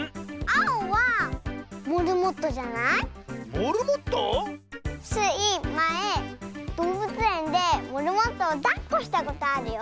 モルモット⁉スイまえどうぶつえんでモルモットをだっこしたことあるよ！